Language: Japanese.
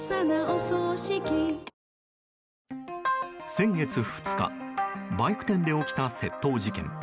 先月２日バイク店で起きた窃盗事件。